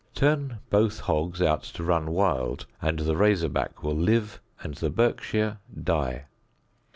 Turn both hogs out to run wild, and the "razor back" will live and the Berkshire die.